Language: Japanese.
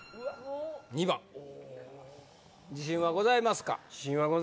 ２番自信はございますか？